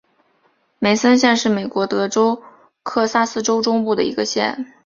梅森县是美国德克萨斯州中部的一个县。